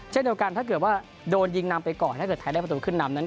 เช่นเดียวกันถ้าเกิดว่าโดนยิงนำไปก่อนถ้าเกิดไทยได้ประตูขึ้นนำนั้น